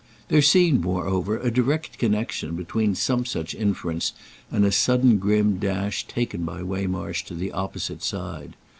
There seemed moreover a direct connexion between some such inference and a sudden grim dash taken by Waymarsh to the opposite side.